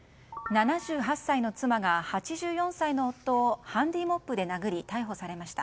７８歳の妻が、８４歳の夫をハンディーモップで殴り逮捕されました。